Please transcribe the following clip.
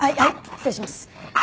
失礼します。